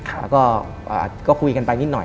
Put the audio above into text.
แล้วก็คุยกันไปนิดหน่อย